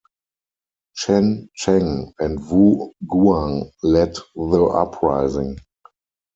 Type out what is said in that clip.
Chen Sheng and Wu Guang led the uprising.